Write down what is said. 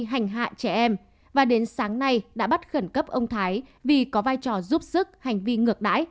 hành hạ trẻ em và đến sáng nay đã bắt khẩn cấp ông thái vì có vai trò giúp sức hành vi ngược đáy